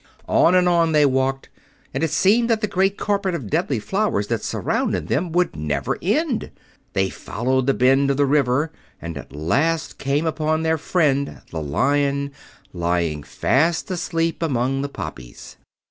On and on they walked, and it seemed that the great carpet of deadly flowers that surrounded them would never end. They followed the bend of the river, and at last came upon their friend the Lion, lying fast asleep among the poppies.